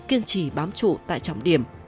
kiên trì bám trụ tại trọng điểm